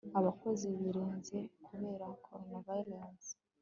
Abakozi Birenze Kubera Coronavirus